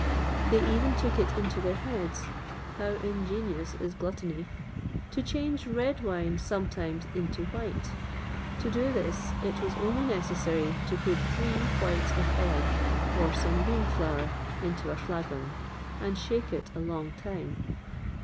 They even took it into their heads (how ingenious is gluttony!) to change red wine sometimes into white. To do this it was only necessary to put three whites of egg, or some bean flour, into a flagon, and shake it a long time.